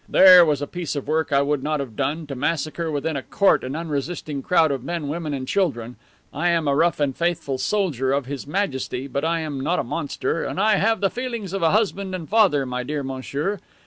There was a piece of work I would not have done, to massacre within a court an unresisting crowd of men, women and children. I am a rough and faithful soldier of His Majesty, but I am not a monster, and I have the feelings of a husband and father, my dear monsieur.